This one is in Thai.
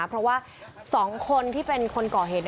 ตรวจกำลังเข้าไปค้นหาเพราะว่า๒คนที่เป็นคนก่อเหตุ